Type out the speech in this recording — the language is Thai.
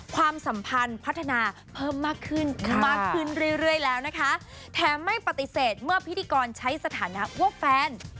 ความสัมพันธ์พัฒนาเพิ่มมากขึ้นมากขึ้นเรื่อยแล้วนะคะแถมไม่ปฏิเสธเมื่อพิธีกรใช้สถานะว่าแฟน